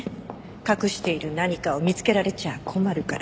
隠している何かを見つけられちゃ困るから。